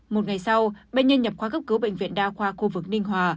một ngày sau bệnh nhân nhập khoa gấp cứu bệnh viện đa khoa khu vực ninh hòa